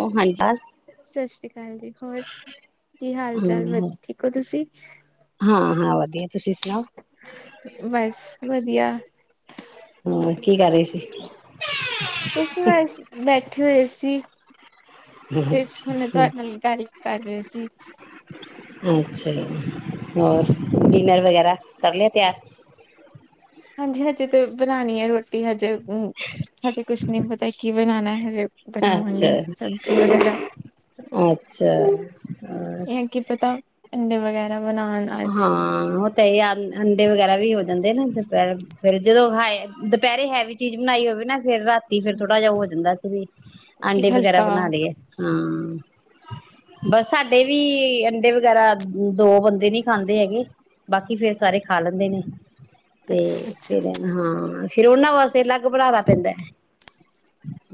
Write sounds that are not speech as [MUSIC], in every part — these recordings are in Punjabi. ਉਹ ਹਾਂਜੀ ਸਤ ਸ੍ਰੀ ਅਕਾਲ ਜੀ ਹੋਰ ਕੀ ਹਾਲ ਚਾਲ ਹਮ ਠੀਕ ਹੋ ਤੁਸੀਂ ਹਾਂ ਹਾਂ ਵਧੀਆ ਤੁਸੀਂ ਸੁਣਾਓ ਬਸ ਵਧੀਆ ਹਾਂ ਕੀ ਕਰ ਰਹੇ ਸੀ ਕੁਛ ਬਸ ਬੈਠੇ ਹੋਏ ਸੀ ਅੱਛਾ [UNINTELLIGIBLE] ਕਰ ਰਹੇ ਸੀ ਅੱਛਾ ਹੋਰ ਡਿਨਰ ਵਗੈਰਾ ਕਰ ਲਿਆ ਤਿਆਰ ਹਾਂਜੀ ਹਜੇ ਤੇ ਬਣਾਉਣੀ ਹੈ ਰੋਟੀ ਹਜੇ ਹਮ ਹਜੀੇ ਕੁਛ ਨੀ ਪਤਾ ਕੀ ਬਣਾਉਣਾ ਹੈ ਅੱਛਾ ਅੱਛਾ ਇਹ ਕੀ ਪਤਾ ਅਦੇ ਵ ਹਾਂ ਉਹ ਤਾਂ ਅੰਡੇ ਵਗੈਰਾ ਵੀ ਹੋ ਦਦੇ ਨਾ ਦੁਪਹਿ ਫੇਰ ਜਦੋਂ ਹ ਦੁਪਹਿਰੇ ਹੈਵੀ ਚੀਜ਼ ਬਣਾਈ ਹੋਵੇ ਨਾ ਫਿਰ ਰਾਤੀ ਫੇਿਰ ਥੋੜਾ ਜਾਿਹਾ ਹੋ ਜਾਂਦਾ ਕਿ ਕਿ ਆਂਡੇ ਵਗੈਰਾ ਹਲਕਾ ਬਣਾ ਲਈਏ ਹਮ ਬਸ ਸਾਡੇ ਵੀ ਅੰਡੇ ਵਗੈਰਾ ਦੋ ਬੰਦੇ ਨੀ ਖਾਂਦੇ ਹੈਗੇ ਬਾਕੀ ਫੇਰ ਸਾਰੇ ਖਾ ਲੈਂਦੇ ਨੇ ਤੇ ਅੱਛਾ-ਅੱਛਾ, ਫਿਰ ਹਾਂ ਫਿਰ ਉਹਨਾਂ ਵਾਸਤੇ ਅਲੱਗ ਬਣਾਾ ਪੈਂਦਾ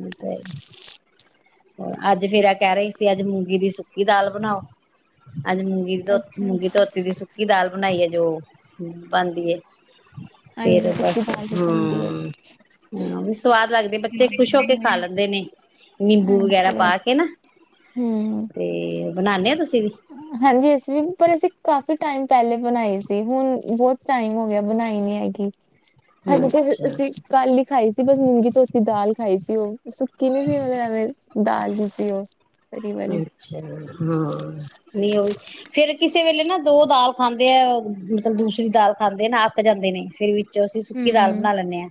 ਤੇ ਹੋ ਅੱਜ ਫੇਿਰ ਕਹਿ ਰਹੀ ਸੀ ਅੱਜ ਮੂੰਗੀ ਦੀ ਸੁੱਕੀ ਦਾਲ ਬਣਾਓ ਅੱ ਮੁੰਗੀ ਤੋਂ ਮੁੰਗੀ ਤੋਂ ਅੱਛਾ-ਅੱਛਾ ਦੀ ਸੁੱਕੀ ਦਾਲ ਬਣਾਈ ਹੈ ਜੋ ਬਣਦੀ ਹੈ ਹਾਂਜੀ ਫੇਿਰ ਸੁੱਕੀ ਬਸ ਦਾਲ ਵੀ ਬਣਦੀ ਹੈ। ਹਾਂ ਹਾਂ ਵੀ ਸਵਾਦ ਲੱਗਦੇ ਬੱਚੇ ਖੁਸ਼ ਹੋ ਕੇ ਖਾ ਲੈਂਦੇ ਨੇ ਨਿੰਬੂ ਵਗੈਰਾ ਹਾਂਜੀ ਪਾ ਕੇ ਨਾ [UNINTELLIGIBLE] ਹੂੰ ਤੇ ਬਣਾ ਹਾਂਜੀ ਅਸੀ ਵੀ ਪਰ ਅਸੀਂ ਕਾਫੀ ਟਾਈਮ ਪਹਿਲੇ ਬਣਾਈ ਸੀ ਹੁਣ ਬਹੁਤ ਟਾਈਮ ਹੋ ਗਿਆ ਬਣਾਈ ਨੀ ਹੈਗੀ ਸਾਡੇ ਅੱਛਾ ਅਸੀਂ ਕਾਲੀ ਖਾਈ ਸੀ ਬਸ ਮੂੰਗੀ ਧੋਤੀ ਦਾਲ ਖਾਈ ਸੀ ਉਹ ਸੁੱਕੀ ਨੀ ਸੀ ਮਤਵੇਂ ਦਾਲ ਨੀ ਸੀ ਉਹ ਤਰੀ ਵਾਲੀ। ਅੱਛਾ ਹਾਂ ਨਹੀਂ ਉਹ ਵੀ ਫੇਰ ਕਿਸੇ ਵੇਲੇ ਨਾ ਦੋ ਦਾਲ ਖਾਂਦੇ ਆ ਮਤਲਬ ਦੂਸਰੀ ਦਾਲ ਖਾਂਦੇ ਨਾ ਅੱਕ ਜਾਂਦੇ ਨੇ ਫੇਿਰ ਵੀ ਅਸੀਂ ਸੁੱਕੀ ਦਾਲ ਹੂੰ ਬਣਾ ਲੈਂਦੇ ਹਾਂ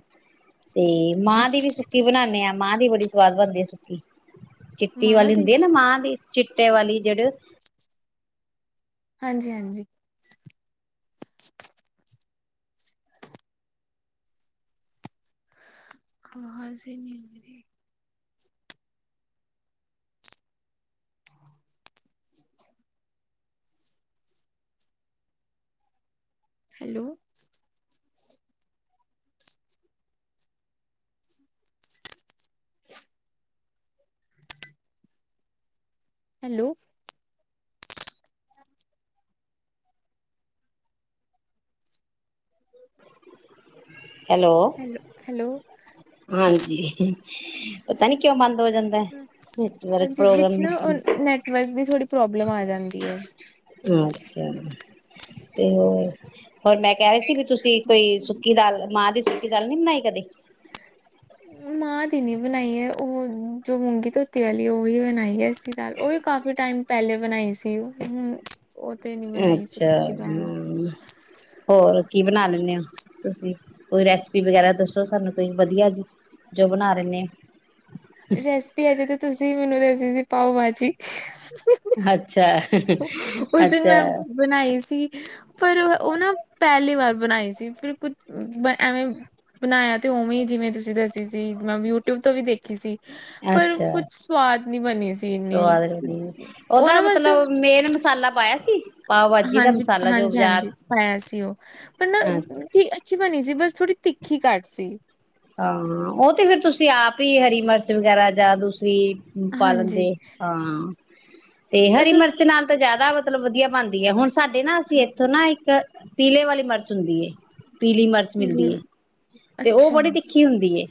ਤੇ ਮਾਂ ਦੀ ਵੀ ਸੁੱਕੀ ਬਣਾਦੇ ਹਾਂ ਮਾਂ ਦੀ ਬੜੀ ਸਵਾਦ ਬਣਦੀ ਆ ਸੁੱਕੀ ਚਿੱਟੀ ਮਾਰ ਵਾਲੀ ਹੁੰ ਦੀ ਇਹ ਨਾ ਮਾਂ ਦੇ ਚਿੱਟੇ ਵਾਲੀ ਜਿਹੜੇ ਹਾਂਜੀ ਹਾਂਜੀ ਹ ਹਜ਼ ਹੀ ਨਹੀਂ ਮਰੇ [UNINTELLIGIBLE] ਹੈਲੋ [INAUDIBLE] ਹੈਲੋ [UNINTELLIGIBLE] ਹੈਲੋ ਹਾਂਜੀ ਪਤਾ ਨੀ ਕਿਉਂ ਬਨਦਾ ਹ ਹਾਂਜੀ ਵਿੱਚ ਨਾ ਉਹ ਨੈਟਵਰਕ ਦੀ ਥੋੜੀ ਅੱਛਾ ਤੇ ਹੋਰ ਹੋਰ ਮੈਂ ਕਹਿ ਰਹੀ ਸੀ ਵੀ ਤੁਸੀਂ ਕੋਈ ਸੁੱਕੀ ਦਾਲ ਮਾਂ ਦੀ ਸੁੱਕੀ ਦਾਲ ਨਹੀਂੀ ਬਣਾਈ ਕਰ ਅ [UNINTELLIGIBLE] ਮਾਂ ਦੀ ਨੀ ਬਣਾਈ ਹੈ ਉਹ ਜੋ ਮੂੰਗੀ ਧੋਤੀ ਵਾਲੀ ਉਹੀ ਬਣਾਈ ਹੈ ਸਤਿ ਸ਼੍ਰੀ ਅਕਾਲ ਉਹ ਵੀ ਕਾਫੀ ਟਾਈਮ ਪਹਿਲੇ ਬਣਾਈ ਸੀ ਤੇ ਹਮ ਉਹ ਅੱਛਾ ਹਮ ਹੋਰ ਕੀ ਬਣਾ ਲੈਂਦੇ ਹੋ ਤੁਸੀਂ ਕੋਈ ਰੈਸਪੀ ਵਗੈਰਾ ਦੱਸੋ ਸਾਨੂੰ ਕੋਈ ਵਧੀਆ ਜੀ ਜੋ ਬਣਾ ਰਹਦੇ ਆ ਰੈਸਪੀ ਹੈਜੇ ਤਾਂ ਤੁਸੀਂ ਮੈਨੂੰ ਦੱਸਦੇ ਸੀ ਪਾਊ ਭਾਜੀ [UNINTELLIGIBLE] ਅੱਛਾ ਉਸ ਦਿਨ ਅੱਛਾ ਮੈਂ ਬਣਾਈ [UNINTELLIGIBLE] ਪਰ ਉਹ ਉਹ ਨਾ ਪਹਿਲੀ ਵਾਰ ਵ ਬਣਾਈ ਸੀ ਫਿਰ ਕੁਛ ਐਵੇਂ ਬਣਾਇਆ ਤੇ ਉਵੇਂ ਜਿਵੇਂ ਤੁਸੀਂ ਦੱਸੀ ਸੀ ਮੈਂ ਯੂਟਿਊਬ ਤੋਂ ਵੀ ਦੇਖੀ ਸੀ। ਪਰ ਅੱਛਾ ਕੁਛ ਸਵਾਦ ਨੀ ਬਣੀ ਸੀ ਇੰਨੀ ਸਵਾਦ ਲੱਗਦੀ ਉਹ ਉਹਦਾ ਨਾ ਬਸ ਮਤਲਬ ਮੇਨ ਮਸਾਲਾ ਪਾਇਆ ਸੀ ਪਾਓ ਭਾਜੀ ਦਾ ਹਾਂਜੀ ਮਸਾਲਾ ਜੋ ਹਾਂਜੀ ਬਾਜ਼ਾਰ ਹਾਂਜੀ ਪਾਇਆ ਸੀ ਉਹ ਪਰ ਨਾ ਅੱਛਾ [INAUDIBLE] ਅੱਛੀ ਬਣੀ ਸੀ ਬਸ ਥੋੜੀ ਤਿੱਖੀ ਘੱਟ ਸੀ ਹਾਂ ਉਹ ਤੇ ਫੇਰ ਤੁਸੀਂ ਆਪ ਹੀ ਹਰੀ ਮਿਰਚ ਵਗੈਰਾ ਜਾ ਦੂਸ ਰੀ ਪਾਲਣ ਹਾਂਜੀ, ਦੇ ਹਾਂ [INAUDIBLE] [INAUDIBLE] ਤੇ ਹਰੀ ਬਸ ਉਹ ਮਿਰਚ ਨਾਲ ਤਾਂ ਜਿਆਦਾ ਮਤਲਬ ਵਧੀਆ ਬਣਦਾ ਹੁਣ ਸਾਡੇ ਨਾ ਅਸੀਂ ਇੱਥੋਂ ਨਾ ਇੱਕ ਪੀਲੇ ਵਾਲੀ ਮਿਰਚ ਹੁੰਦੀ ਹੈ। ਪੀਲੀ ਮਰਚ ਮਿਲਦੀ ਹੈ। ਲੀਮ- ਤੇ ਉਹ ਅੱਛਾ, ਬੜੀ ਤਿੱਖੀ ਹੁੰਦੀ ਏ।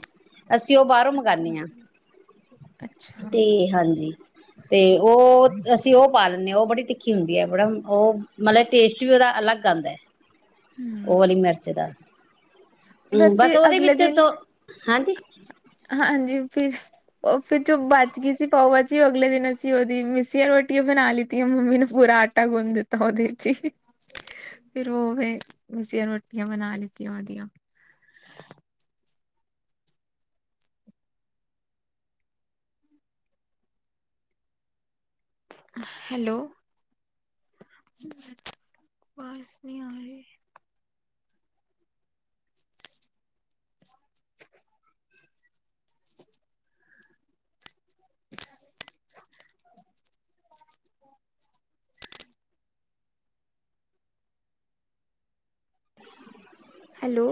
ਅਸੀਂ ਉਹ ਬਾਹਰੋਂ ਮੰਗਵਾਉਾਨਦੇ ਹਾਂ ਅੱਛਾ ਤੇ ਹਾਂਜੀ ਤੇ ਉਹ ਅਸੀਂ ਉਹ ਪਾਾਲ ਉਹ ਬੜੀ ਤਿੱਖੀ ਹੁੰਦੀ ਹੈ ।ਬੜਾ ਉਹ ਮਤਲਬ ਟੇਸਟ ਵੀ ਉਹਦਾ ਅਲੱਗਉਂਦਾ ਹੈ। ਉਹ ਵਾਲੀ ਮਿਰਚ ਦਾ ਹੂੰ ਬਸ ਵੈਸੇ ਉਹਦੇ ਅਗਲੇ ਵਿੱਚ ਦਿਨ ਤੋਂ ਹਾਂਜੀ ਹਾਂਜੀ ਫਿਰ ਉਹ ਫਿਰ ਜੋ ਬਚ ਗਈ ਸੀ ਪਾਓ ਵਚੀ ਅਗਲੇ ਦਿਨ ਅਸੀਂ ਉਹਦੀ ਮਸੀੀਆਂ ਰੋਟੀਆਂ ਬਣਾ ਲਤੀਆਂ ਮੰਮੀ ਨੇ ਪੂਰਾ ਆਟਾ ਗੁੰਨ ਦਿੱਤਾ ਉਹਦੇ ਚ ਹੀ ਫਿਰ ਉਹ ਫ ਮਸੀਆਂ ਰੋਟੀਆਂ ਬਣਾ ਲਿੱਤੀਆਂ ਉਹਦੀਆਂ [INAUDIBLE] ਹੈਲੋ ਬਾਰਿਸ਼ ਨੀ ਆ ਰਹੀ। [INAUDIBLE] [INAUDIBLE]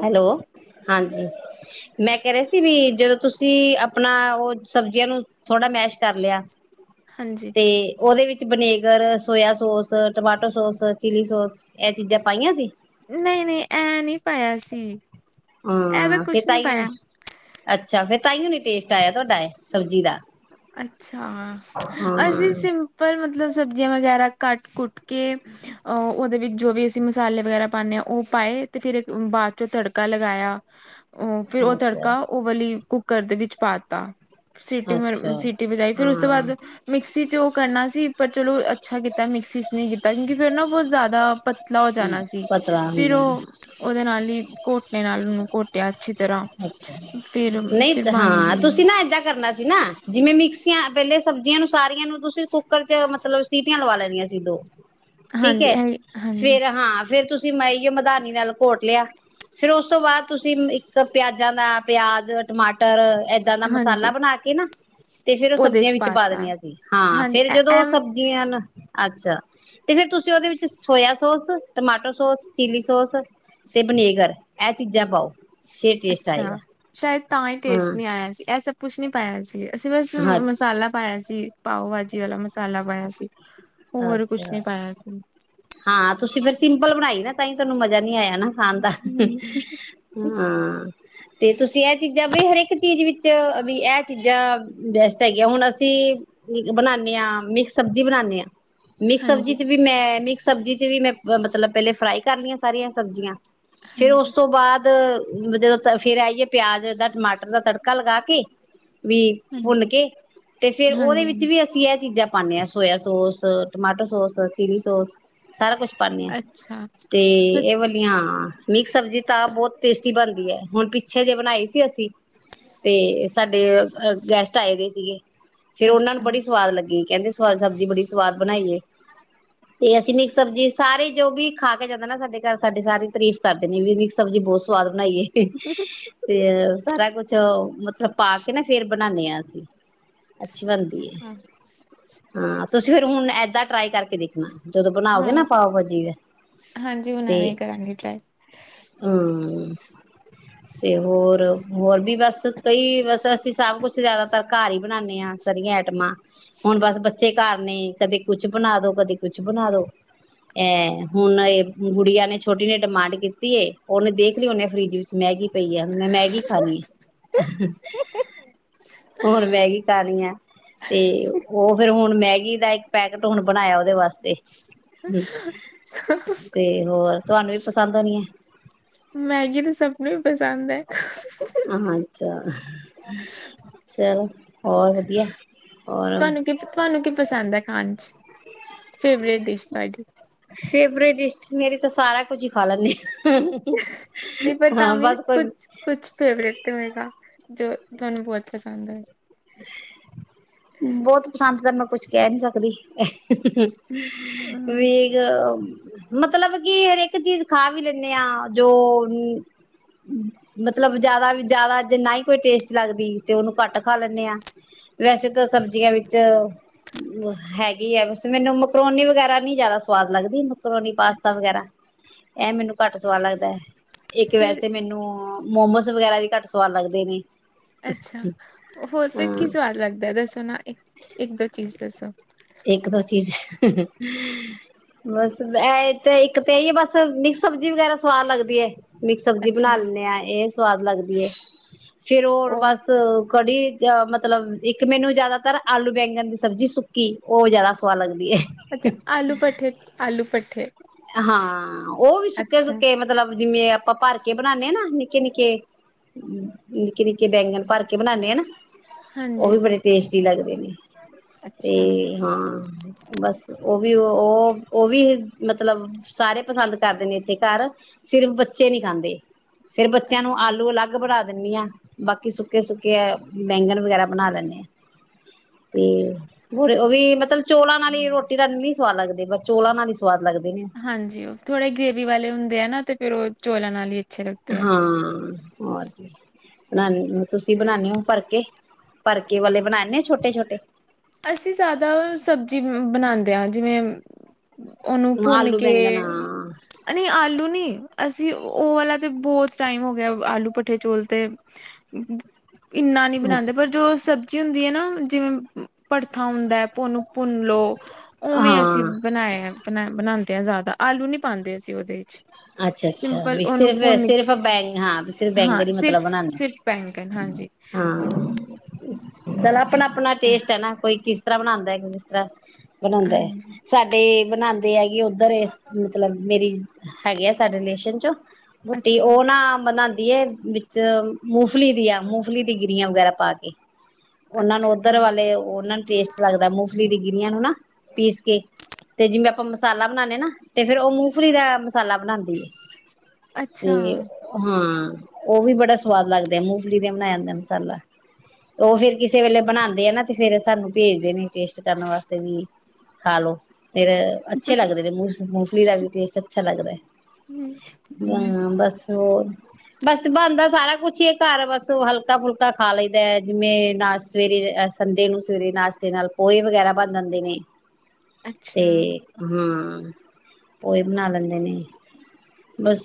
ਹੈਲੋ ਹਾਂਜੀ ਮੈਂ ਕਹਿ ਰਿਹਾ ਸੀ ਵੀ ਜਦੋਂ ਤੁਸੀਂ ਆਪਣਾ ਉਹ ਸਬਜ਼ੀਆਂ ਨੂੰ ਥੋੜਾ ਮੈਸ਼ ਕਰ ਲਿਆ ਹਾਂਜੀ ਤੇ ਉਹਦੇ ਵਿੱਚ vinegar soya sauce tomato sauce chilli sauce ਇਹ ਚੀਜ਼ਾਂ ਪਾਈਆਂ ਸੀ ਨਹੀਂ ਨਹੀਂ ਐ ਨਹੀਂ ਪਾਇਆ ਸੀ ਇਹ ਤਾਂ ਹਾਂ ਫਿਰ ਕੁਛ ਨਹੀਂ ਤਾਈ ਪਾਇਆ। ਅੱਛਾ ਫਿਰ ਤਾਂਹੀਓ ਨਹੀਂ ਟੇਸਟ ਆਇਆ ਤੁਹਾਡਾ ਇਹ ਸਬਜ਼ੀ ਦਾ ਅੱਛਾ ਅਸੀਂ ਹਾਂ। ਸਿੰਪਲ ਮਤਲਬ ਮਤਲਬ ਸਬਜ਼ੀਆਂ ਵਗੈਰਾ ਕੱਟ ਕੁੱਟ ਕੇ ਅਹ ਉਹਦੇ ਵਿੱਚ ਜੋ ਵੀ ਅਸੀਂ ਮਸਾਲੇ ਵਗੈਰਾ ਪਾਉਂਦੇ ਹਾਂ ਉਹ ਪਾਏ ਤੇ ਫਿਰ ਬਾਅਦ ਚੋਂ ਤੜਕਾ ਲਗਾਇਆ ਉਹ ਫਿਰ ਉਹ ਤੜਕਾ ਉਹ ਵਾਲੀ ਕੁੱਕ ਘਰ ਦੇ ਵਿੱਚ ਪਾ ਤ ਅੱਛਾ-ਅੱਛਾ। ਮ ਸੀਟੀ ਵਜਾਈ ਫਿਰ ਉਸ ਤੋਂ ਬਾਅਦ ਹਾਂ। ਮਿਕਸੀ ਚ ਉਹ ਕਰਨਾ ਸੀ ਪਰ ਚਲੋ ਅੱਛਾ ਕੀਤਾ ਮਿਕਸੀ ਚ ਨਹੀਂ ਕੀਤਾ ਕਿਉਂਕਿ ਫੇਿਰ ਨਾ ਬਹੁਤ ਜ਼ਿਆਦਾ ਪਤਲਾ ਹੋ ਜਾਣਾ ਸੀ ਪਤਲਾ ਫਿਰ ਹੁੰਦਾ ਉਹ ਉਹਦੇ ਨਾਲ [UNINTELLIGIBLE] ਕੋਟ ਆਪ ਨਾਲੂ ਨੂੰ ਘੋਟਿਆ ਅੱਛੀ ਤਰ੍ਹਾਂ ਫਿਰ ਅੱਛਾ ਨਹੀਂ ਫਿਰ ਬਣ ਹਾਂ ਗਈ ਤੁਸੀਂ ਨਾ ਏਦਾਂ ਕਰਨਾ ਸੀ ਨਾ ਜਿਵੇਂ ਮਿਕਸੀਆਂ ਪਹਿਲੇ ਸਬਜ਼ੀਆਂ ਨੂੰ ਸਾਰੀਆਂ ਨੂੰ ਤੁਸੀਂ ਕੁੱਕਰ ਚ ਮਤਲਬ ਸੀਟੀਆਂ ਲਵਾ ਲੈ ਸੀ ਦੋ ਠੀਕ ਹਾਂਜੀ ਹੈ ਇਹ ਹਾਂਜੀ ਫੇਿਰ ਹਾਂ ਫਿਰ ਤੁਸੀਂ ਮੈਂ ਮਦਾਨੀ ਨਾਲ ਘੋਟ ਲਿਆ ਫੇਿਰ ਉਸ ਤੋਂ ਬਾਅਦ ਤੁਸੀਂ ਪਿਆਜਾਂ ਦਾ ਪਿਆਜ ਟਮਾਟਰ ਏਦਾਂ ਦਾ ਮਸਾਲਾ ਹਾਂਜੀ ਬਣਾ ਕੇ ਨਾ ਤੇ ਫੇਰ ਉਹ ਉਹਦੇ ਸਬਜ਼ੀਆਂ ਚ ਵਿੱਚ ਪਾ ਪਾਤਾ ਦਨੀਆਂ ਸੀ ਹਾਂ ਹਾਂਜੀ ਫੇਰ ਐ ਜਦੋਂ ਉਹ ਐਮ ਸਬਜ਼ੀਆਂ ਨਾ ਅੱਛਾ ਤੇ ਫਿਰ ਤੁਸੀਂ ਉਹਦੇ ਵਿੱਚ soya sauce tomato sauce chilli sauce ਤੇ ਵਨੇਗਰ ਇਹ ਚੀਜ਼ਾਂ ਪਾਓ ਫੇਰ ਟੇਸਟ ਆਏਗਾ ਅੱਛਾ ਸ਼ਾਇਦ ਤਾਂ ਹੀ ਟੇਸਟ ਹਮ ਨਹੀਂੀ ਆਇਆ ਸੀ ਐਸ ਪੁਛ ਨਹੀਂ ਪਾਇਆ ਸੀ ਅਸੀਂ ਬਸ ਹਾਂ ਮਸਾਲਾ ਪਾਇਆ ਸੀ ਪਾਓ ਭਾਜੀ ਵਾਲਾ ਮਸਾਲਾ ਬਾਇਆ ਸੀ ਹੋਰ ਕੁਛ ਅੱਛਾ ਨਹੀਂ ਪਾਇਆ ਸੀ ਹਾਂ ਤੁਸੀਂ ਫਿਰ ਸਿੰਪਲ ਬਣਾਈ ਨਾ ਤੁਹਾਨੂੰ ਮਜ਼ਾ ਨ ਆਇਆ ਨਾ ਖਣ ਦਾ ਹਾਂ ਤੇ ਤੁਸੀਂ ਇਹ ਚੀਜ਼ਾਂ ਵੀ ਹਰੇਕ ਚੀਜ਼ ਵਿੱਚ ਚ ਵੀ ਇਹ ਚੀਜ਼ਾਂ ਬੈਸਟ ਹੈਗੀਆਂ ਹੁਣ ਅਸੀਂ ਬਣਾਦੇ ਹਾਂ ਮਿਕਸ ਸਬਜ਼ੀ ਬਣਾਉਦੇ ਹਾਂ ਮਿਕਸ ਸਬਜ਼ੀ ਹਾਂਜੀ ਚ ਵੀ ਮੈਂ ਮਿਕਸ ਸਬਜ਼ੀ ਚ ਵੀ ਮੈਂ ਮਤਲਬ ਪਹਿਲੇ ਫਰਾਈ ਕਰ ਲਈੀਆਂ ਸਾਰੀਆਂ ਸਬਜ਼ੀਆਂ ਫੇਰ ਉਸ ਹਾਂਜੀ ਤੋਂ ਬਾਅਦ ਜਦੋਂ ਫੇਰ ਆਈਏ ਪਿਆਜ [UNINTELLIGIBLE] ਦਾ ਤੜਕਾ ਲਗਾ ਕੇ ਵੀ ਭੁੰਨ ਕੇ ਤੇ ਫੇਰ ਉਹਦੇ ਵਿੱਚ ਹਾਂਜੀ ਵੀ ਅਸੀਂ ਇਹ ਚੀਜ਼ਾਂ ਪਾਉਂਦੇ ਹਾਂ soya sauce tomato sauce chilli sauce ਸਾਰਾ ਕੁਛ ਪਾਂਦੇ ਹ ਅੱਛਾ ਤੇ ਇਹ ਵਾਲੀਆਂ ਨਹੀਂ ਇੱਕ ਸਬਜ਼ੀ ਤਾਂ ਬਹੁਤ ਟੇਸਟੀ ਬਣਦੀ ਹੈ ਹੁਣ ਪਿੱਛੇ ਜੇ ਬਣਾਈ ਸੀ ਅਸੀਂ ਤੇ ਸਾਡੇ ਗੈਸਟ ਆਏ ਦੇ ਸੀਗੇ ਫੇਿਰ ਉਹਨਾਂ ਨੂੰ ਅੱਛਾ ਬੜੀ ਸਵਾਦ ਲੱਗੀ ਕਹਿੰਦੇ ਸਵਾਦ ਸਬਜ਼ੀੜੀ ਸਵਾਦ ਬਣਾਈਏ ਤੇ ਅਸੀਂ ਮਿਕਸ ਸਬਜੀੀ ਸਾਰੇ ਜੋ ਵੀ ਖਾ ਕੇ ਜਾਂਦਾ ਨਾ ਸਾਡੇ ਘਰ ਸਾਡੇ ਸਾਰੇ ਤਾਰੀਫ਼ ਕਰਦੇ ਨੇ ਵੀ ਮਿਕਸ ਸਬਜੀੀ ਬਹੁਤ ਸਵਾਦ ਬਣਾਈਏ ਤੇ ਸਾਰਾ ਕੁਛ ਮਤਲਬ ਪਾ ਕੇ ਨਾ ਫੇਰ ਬਣਾਦੇ ਹਾਂ ਅਸੀਂ ਅੱਛੀ ਬਣਦੀ ਹੈ ਹਾਂ ਤੁਸੀਂ ਫਿਰ ਹੁਣ ਇੱਦਾਂ ਟਰਾਈ ਕਰਕੇ ਦੇਖਣਾ ਜਦੋਂ ਬਣਾਓਗੇ ਹਾਂ ਨਾ ਪਾਵ ਭਾਜੀ ਦਾ ਹਾਂਜੀ ਹੁਣ ਤੇ ਐਵੇਂ ਕਰਾਂਗੀ ਟਰਾਈ ਹਮ ਤੇ ਹੋਰ ਹੋਰ ਵੀ ਬਸ ਕਈ ਬਸ ਅਸੀਂ ਸਭ ਕੁਛ ਜਿਆਦਾਤਰ ਘਰ ਹੀ ਬਣਾਦੇ ਹਾਂ ਸਾਰਆਂ ਆਈਟਮਾਂ ਹੁਣ ਬਸ ਬੱਚੇ ਘਰ ਨੇ ਕਦੇ ਕੁਛ ਬਣਾ ਦੋ ਕਦੇ ਕੁਛ ਬਣਾ ਦੋ ਅ ਹੁਣ ਗੁੜੀਆਂ ਨੇ ਛੋਟੀ ਨੇ ਡਿਮਾਂਡ ਕੀਤੀ ਉਹਨੇ ਦੇਖ ਲਈ ਉਹਨੇ ਫਰਿਜ ਵਿੱਚ ਮੈਗੀ ਪਈ ਆ ਮੈਂ ਮੈਗੀ ਖਾਣੀ ਆ ਹਣ ਮੈਗੀ ਖਾਣੀ ਆ ਤੇ ਉਹ ਫੇਿਰ ਹੁਣ ਹੁਣ ਮੈਗੀ ਦਾ ਇੱਕ ਪੈਕਟ ਹੁਣ ਬਣਾਇਆ ਉਹਦੇ ਵਾਸਤੇ ਤੇ ਹੋਰ ਤੁਹਾਨੂੰ ਵੀ ਪਸੰਦ ਆ ਨਹੀਂ ਹੈ ਮੈਗੀ ਤਾਂ ਸਭ ਨੂੰ ਪਸੰਦ ਹੈ ਅੱਛਾ ਚੱਲ ਹੋਰ [UNINTELLIGIBLE] ਹੋਰ ਤੁਹਾਨੂੰ ਕੀ ਤੁਹਾਨੂੰ ਕੀ ਪਸੰਦ ਹੈ ਖਾਣ ਚ ਫੇਵਰੇਟ ਡਿਸ਼ ਤੁਹਾਡੀ ਫੇਵਰੇਟ ਡਿਸ਼ ਮੇਰੀ ਤਾਂ ਸਾਰਾ ਕੁਝ ਹੀ ਖਾ ਲੈਂਦੇ ਆ ਨਹੀਂ ਪਰ ਤਾਂ ਵੀ ਕੋਈ ਕੁਛ ਕੁਛ ਫੇਵਰੇਟ ਤੇ ਹੋਏਗਾ ਜੋ ਤੁਹਾਨੂੰ ਬਹੁਤ ਪਸੰਦ ਹੈ ਬਹੁਤ ਪਸੰਦ ਤਾਂ ਮੈਂ ਕੁਛ ਕਹਿ ਨੀ ਸਕਦੀ ਹਮ ਵੇਗ ਮਤਲਬ ਕੀ ਹਰੇਕ ਚੀਜ਼ ਖਾ ਵੀ ਲੈਂਨੇ ਆ ਜੋ, ਮਤਲਬ ਜਿਆਦਾ ਵੀ ਜਿਆਦਾ ਜੇ ਨਾ ਹੀ ਕੋਈ ਟੇਸਟ ਲੱਗਦੀ ਤੇ ਉਹਨੂੰ ਘੱਟ ਖਾ ਲੈਂ ਨੇ ਆ। ਵੈਸੇ ਤਾਂ ਸਬਜ਼ੀਆਂ ਵਿੱਚ ਹੈਗੀ ਆ ਬਸ ਮੈਨੂੰ ਮਕਰੋਨੀ ਵਗੈਰਾ ਨੀ ਜਿਆਦਾ ਸਵਾਦ ਲੱਗਦੀ ਕਰੋਨੀ ਪਾਸਤਾ ਅੱਛਾ ਵਗੈਰਾ। ਇਹ ਮੈਨੂੰ ਘੱਟ ਸਵਾਦ ਲੱਗਦਾ, ਇੱਕ ਫਿਰ ਵੈਸੇ ਮੈਨੂੰ ਮੋਮੋਜ਼ ਵਗੈਰਾ ਵੀ ਘੱਟ ਸਵਾਦ ਲੱਗਦੇ ਨੇ। ਅੱਛਾ ਹੋਰ ਫਿਰ ਹਾਂ ਕੀ ਸਵਾਦ ਲੱਗਦਾ ਸਣਾ ਇੱਕ-ਦੋ ਚੀਜ਼। [UNINTELLIGIBLE] ਇੱਕ ਦੋ ਚੀਜ਼ ਬਸ ਇਹ ਤੇ ਇੱਕ ਤਾਂ ਇ ਹੈ ਬਸ ਮਿਕਸ ਸਬਜ਼ੀ ਵਗੈਰਾ ਸਵਾਦ ਲੱਗਦੀ ਏ। ਮਿਕਸ ਸਬਜ਼ੀ ਬਣਾ ਅੱਛਾ ਲੈਨੇ ਆ ਇਹ ਸਵਾਦ ਲਗਦੀ ਏ। ਫੇਰ ਹੋਰ ਉਹ ਬਸ ਕੜੀ ਮਤਲਬ ਇੱਕ ਮੈਨੂੰ ਜਿਆਦਾਤਰ ਆਲੂ ਬੈਂਗਣ ਦੀ ਸਬਜ਼ੀ ਸੁੱਕ ਕੀ ਉਹ ਜ਼ਿਆਦਾ ਸਵਾਦ ਲੱਗਦੀ ਹੈ ਅੱਛਾ ਆਲੂ ਪਠੇ ਆਲੂ ਪ ਹਾਂ ਉਹ ਵੀ ਅੱਛਾ ਸੁੱਕੇ-ਸੁੱਕੇ ਮਤਲਬ ਜਿਵੇਂ ਆਪਾਂ ਭਰ ਕੇ ਬਣਾਨੇ ਆ ਨਾ ਨਿੱਕੇ-ਨਿੱਕੇ, ਨਿੱਕੇ-ਨਿੱਕੇ ਬੈਂਗਣ ਭਰ ਕੇ ਬਨਾਨੇ ਆ ਨਾ। ਉਹ ਹਾਂਜੀ ਵੀ ਬੜੇ ਟੇਸਟੀ ਲੱਗਦੇ ਨੇ, ਅੱਛਾ ਤੇ ਹਾਂ ਬਸ ਉਹ ਵੀ ਉਹ ਉਹ ਵੀ ਮਤਲਬ ਸਾਰੇ ਪਸੰਦ ਕਰਦੇ ਨੇ ਇੱਥੇ ਘਰ ਸਿਰਫ਼ ਬੱਚੇ ਨਹੀਂ ਖਾਂਦੇ। ਫੇਰ ਬੱਚਿਆਂ ਨੂੰ ਅੱਛਾ ਆਲੂ ਅਲੱਗ ਬਣਾ ਦਿੰਨੀ ਆ ਬਾਕੀ ਸੁੱਕੇ-ਸੁੱਕੇ ਬੈਂਗਨ ਵਗੈਰਾ ਬਣਾ ਲੈਨੇ ਆਂ, ਤੇ ਅੱਛਾ ਹੋਰ ਉਹ ਵੀ ਮਤਲ ਚੋਲਾਂ ਨਾਲ ਹੀ ਰੋਟੀ [UNINTELLIGIBLE] ਸਵਾਦ ਲੱਗਦੇ ਪਰ ਚੌਲਾਂ ਨਾਲ ਹੀ ਸਵਾਦ ਲਗਦੇ। ਹਾਂਜੀ ਉਹ ਥੋੜੇ ਗ੍ਰੇਵੀ ਵਾਲੇ ਹੁੰਦੇ ਆ ਨਾ ਤੇ ਫੇਰ ਉਹ ਚੋਲਾ ਨਾਲ ਹੀ ਅੱਛੇ ਲੱਗਦੇ ਆ ਹਾਂ। ਹੋਰ ਕੀ ਤੁਸੀਂ ਬਣਾਨੇ ਹੋ ਭਰਕੇ ਭਕੇ ਅਸੀਂ ਜ਼ਿਆਦਾ ਸਬਜ਼ੀ ਬਣਾ ਆ ਜਿਵੇਂ, ਉਹਨੂੰ ਭੁੰਨ ਆਲੂ ਕੇ ਬੈਂਗਣ ਹਾਂ ਨਹੀਂ ਆਲੂ ਨੀ ਅਸੀਂ ਉਹ ਵਾਲਾ ਤੇ, ਬਹੁਤ ਟਾਈਮ ਹੋ ਗਿਆ ਆਲੂ ਭੱਠੇ ਚੋਲ ਤੇ ਇੰਨਾ ਨਹੀਂ ਬਣਾਦੇ ਅੱਛਾ ਪਰ ਜੋ ਸਬ ਹੁੰਦੀ ਹੈ, ਨਾ ਜਿਵੇਂ ਭੜਥਾ ਹੁੰਦਾ। ਉਨੁੰ ਭੁੰਨ ਲੋ, ਉਵੇਂ ਅਸੀਂ ਹਾਂ ਬਣਾਏ ਐ ਬਣਾਉਂਦੇ ਹਾਂ ਜ਼ਿਆਦਾ ਆਲੂ ਨੀ ਪਾਉਂਦੇ ਅਸੀਂ ਉਹਦੇ ਵਿੱ ਅੱਛਾ-ਅੱਛਾ ਵੀ ਸਿਰਫ ਸਿਰਫ ਬੈਂ ਹਾਂ ਵੀ ਸਿਰਫ ਹਾਂ ਬੈਂਗਣ ਹੀ ਮਤਲਬ ਸਿਰਫ ਬਣਾਦੇ ਸਿਰਫ ਬੈਂਗਣ ਹਾਂਜੀ ਹਾਂ। ਤਲਬ, ਆਪਣਾ-ਆਪਣਾ ਟੇਸਟ ਹੈ, ਨਾ ਕੋਈ ਕਿਸ ਤਰ੍ਹਾਂ ਬਣਾਦਾ ਕੋਈ ਕਿਸ ਤਰ੍ਹਾਂ ਬਣਾਦਾ ਹੈ, ਹਾਂਜੀ ਸਾਡੇ ਬਣਾਦੇ ਐ ਉੱਧਰ ਇਸ ਮਤਲਬ ਮੇਰੀ, ਹੈਗੇ ਆ ਸਾਡੇ ਰਿਲੇਸ਼ਨ ਚੋਂ ਬੂਟੀ ਅੱਛਾ ਉਹ ਨਾ ਬਣਾ ਦੀ ਹੈ ਵਿੱਚ, ਮੂੰਗਫਲੀ ਦੀ ਆ ਮੂੰਫਲੀ ਦੀ ਗਿਰੀਆਂ ਵਗੈਰਾ ਪਾ ਕੇ, ਉਹਨਾਂ ਨੂੰ ਉਧਰ ਅੱਛਾ ਵਾਲੇ ਉਹਨਾਂ ਨੂੰ ਟੇਸਟ ਲੱਗਦਾ, ਮੂੰਗਫਲੀ ਦੀਆ ਗਿਰਿਆ ਨੂੰ ਨਾ ਪੀਸ ਕੇ ਤੇ ਜਿਵੇਂ ਆਪਾਂ ਮਸਾਲਾ ਬਣਾਦੇ ਹਾਂ ਨਾ, ਤੇ ਫੇਰ ਉਹ ਮੂੰਗਫਲੀ ਦਾ [INAUDIBLE] ਬਣਾਦੀ ਆ ਤੇ ਅੱਛਾ ਹਾਂ, ਉਹ ਵੀ ਬੜਾ ਸਵਾਦ ਲੱਗਦਾ, ਆ ਮੂੰਗਫਲੀ ਦਾ ਬਣਾਇਆ ਜਾਂਦਾ ਮਸਾਲਾ ਤੇ ਉਹ ਫੇਰ ਕਿਸੇ ਵੇਲੇ ਬਣਾਉਂਦੇ ਆ ਨਾ ਤੇ ਫੇਰ ਸਾਨੂੰ ਭੇਜਦੇ ਨੇ ਟੇਸਟ ਕਰਨ ਵਾਸਤੇ ਵੀ, ਖਾਲੋ, ਫਿਰ ਅੱਛੇ ਲੱਗਦੇ ਨੇ ਮੂੰਗ ਮੂੰਗਫਲੀ ਦਾ ਟੈਸਟ, ਅੱਛਾ ਲੱਗਦਾ ਹਮ ਬਸ ਹੋਰ, ਬਸ ਬਣਦਾ ਸਾਰਾ ਕੁਛ ਹੀ ਘਰ ਬਸ ਹਲਕਾ ਫੁਲਕਾ ਖਾ ਲਈ ਦਾ ਹੈ, ਜਿਵੇਂ ਨਾ ਸਵੇਰੇ ਸੰਡੇ ਨੂੰ ਸਵੇਰੇ ਨਾਸ਼ਤੇ ਨਾਲ ਪੋਹੇ ਵਗੈਰਾ ਬਣ ਜਾਂਦੇ ਨੇ ਤੇ ਅੱਛਾ ਹਾਂ, ਕੋਈ, ਬਣਾ ਲੈਂਦੇ ਨੇ,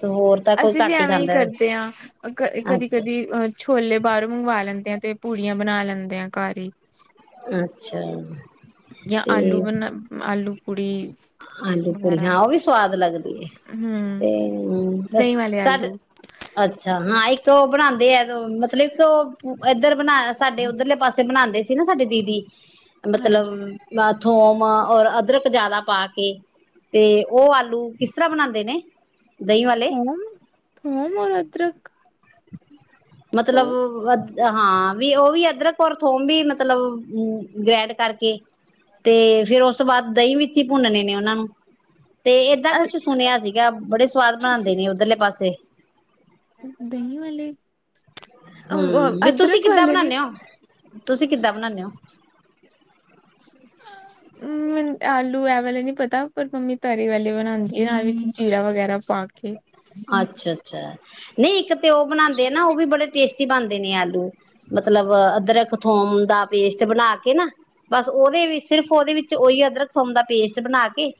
ਹੋਰ ਤਾਂ ਕੋਈ ਅਸੀਂ ਵੀ ਘੱਟ ਐਵੇਂ ਹੀ ਖਾਂਦਾ ਕਰਦੇ ਹਾਂ ਕ ਕਦੀ ਅੱਛਾ ਕਦੀ ਅਹ ਛੋਲੇ ਬਾਹਰੋਂ ਮੰਗਵਾ ਲੈਂਦੇ, ਆ ਤੇ ਪੂੜੀਆਂ ਬਣਾ ਲੈਂਨੇ ਆ ਘਰ ਹੀ। ਅੱਛਾ ਜਾਂ ਤੇ ਆਲੂ ਬਨ ਆਲੂ ਕੁੜੀ ਆਲੂ ਪੂੜੀਆਂ ਉਹ ਵੀ ਸਵਾਦ ਲੱਗਦੀ ਐ ਹਮ ਤੇ ਬਸ ਦਹੀਂ ਵਾਲੇ ਸਾਡੇ ਆਲੂ ਅੱਛਾ ਹਾਂ ਇੱਕ ਤ [UNINTELLIGIBLE] ਉਹ ਬਣਾਉਂਦੇ ਆ ਮਤਲਬ ਕਿ [UNINTELLIGIBLE] ਇੱਧਰ ਬਣਾ ਸਾਡੇ ਉਧਰਲੇ ਪਾਸੇ ਬਣਾ ਸੀ ਨਾ ਸਾਡੇ ਦੀਦੀ ਮਤਲਬ ਹਾਂਜੀ ਬਾ ਥੋਮ ਔਰ ਅਦਰਕ ਜਿਆਦਾ ਪਾ [UNINTELLIGIBLE] ਤੇ ਉਹ ਆਲੂ ਕਿਸ ਤਰ੍ਹਾਂ ਬਣਾਉਦੇ ਨੇ ਦਹੀਂ ਵਾਲੇ ਹਮ ਥੋਮ ਓਰ ਅਦਰਕ ਮਤਲਬ ਥੋਮ ਬ ਹਾਂ ਵੀ ਉਹ ਵੀ ਅਦਰਕ ਔਰ ਥੋਮ ਵੀ ਮਤਲਬ ਗ੍ਰੈਂਡ ਕਰਕੇ ਤੇ ਫੇਰ ਉਸ ਉਸ ਤੋਂ ਬਾਅਦ ਦਹੀਂ ਵਿੱਚ ਹੀ ਭੁੰਨਣੇ ਨੇ ਉਹਨਾਂ ਨੂੰ ਤੇ ਏਦਾਂ ਕੁਛ ਸੁਣਿਆ ਸੀਗਾ ਬੜੇ ਸਵਾਦ ਬਣਾਉਂਦੇ ਨੇ ਉੱਧਰਲੇ ਪਾਸੇ ਦਹੀਂ ਵਾਲੇ ਹਮ ਬ ਤੁਸੀਂ ਅਦਰਕ ਕਿੱਦਾਂ ਵਾਲੇ ਨੀ ਬਣਾਦੇ ਹੋ ਤੁਸੀਂ ਕਿੱਦਾਂ ਬਣਾਦੇ ਹੋ ਹਮ ਆਲੂ ਇਹ ਵਾਲੇ ਨੀ ਪਤਾ ਪਰ ਮੰਮੀ ਤਰੀ ਵਾਲੇ ਬਣਾਉਂਦੀ ਨਾਲ ਵੀ ਜੀਰਾ ਵਗੈਰਾ ਪਾ ਕੇ ਅੱਛਾ ਅੱਛਾ ਨਹੀਂ ਇੱਕ ਤੇ ਉਹ ਬਣਾਉਂਦੇ ਆ ਨਾ ਉਹ ਵੀ ਬੜੇ ਟੇਸਟੀ ਬਣਦੇ ਨੇ ਆਲੂ ਮਤਲਬ ਅਦਰਕ ਥੋਮ ਦਾ ਪੇਸਟ ਬਣਾ ਕੇ ਨਾ ਬਸ ਉਹਦੇ ਵੀ ਸਿਰਫ ਉਹਦੇ ਵਿੱਚ ਉਹੀ ਅਦਰਕ ਥੋਮ ਦਾ ਪੇਸਟ ਬਣਾ ਕੇ